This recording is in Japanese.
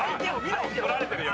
足取られてるよ。